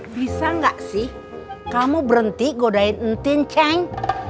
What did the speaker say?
bisa gak sih kamu berhenti godain ntin ceng